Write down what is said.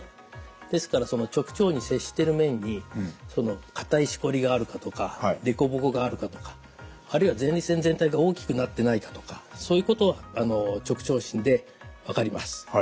ですからその直腸に接してる面に硬いしこりがあるかとか凸凹があるかとかあるいは前立腺全体が大きくなってないかとかそういうことは直腸診で分かります。